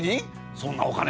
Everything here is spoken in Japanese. そんなお金を？